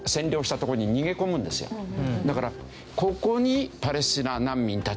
だからここにパレスチナ難民たち。